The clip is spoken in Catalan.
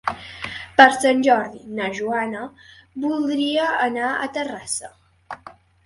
Per Sant Jordi na Joana voldria anar a Terrassa.